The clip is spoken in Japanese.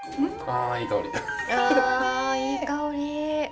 あいい香り。